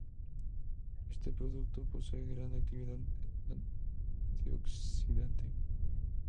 Este producto posee gran actividad antioxidante.